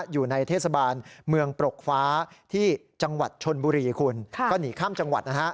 อยู่ในเทศบาลเมืองปรกฟ้าที่จังหวัดชนบุรีคุณก็หนีข้ามจังหวัดนะฮะ